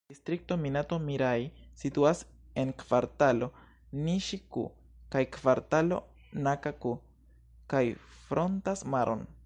Distrikto Minato-Miraj situas en Kvartalo Niŝi-ku kaj Kvartalo Naka-ku, kaj frontas maron.